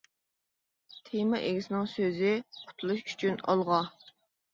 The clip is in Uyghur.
تېما ئىگىسىنىڭ سۆزى : قۇتۇلۇش ئۈچۈن ئالغا!